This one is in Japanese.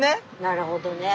なるほどね。